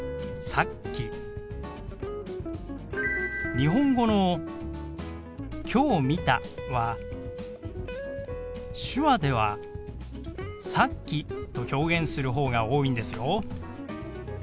日本語の「きょう見た」は手話では「さっき」と表現するほうが多いんですよ。